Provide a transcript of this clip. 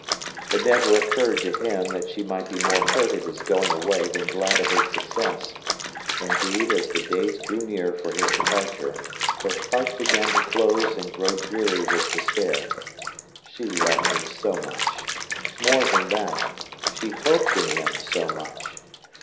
It never occurred to him that she might be more hurt at his going away than glad of his success. Indeed, as the days drew near for his departure, her heart began to close and grow dreary with despair. She loved him so much! More than that, she hoped in him so much.